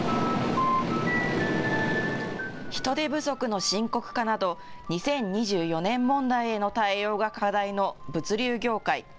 人手不足の深刻化など２０２４年問題への対応が課題の物流業界。